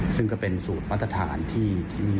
ซึ่งก็เป็นสูตรมาตรฐานที่